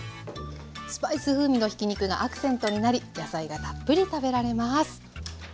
スパイス風味のひき肉がアクセントになり野菜がたっぷり食べられます。